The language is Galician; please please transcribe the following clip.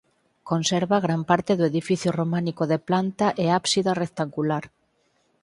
Conserva gran parte do edificio románico de planta e ábsida rectangular.